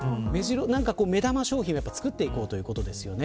目玉商品を作っていこうということですよね。